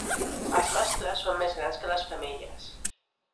Els mascles són més grans que les femelles.